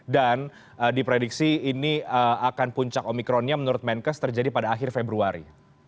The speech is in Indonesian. dan diprediksi ini akan puncak omikronnya menurut menkes terjadi pada akhir februari